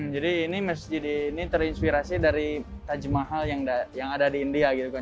jadi ini masjid ini terinspirasi dari taj mahal yang ada di india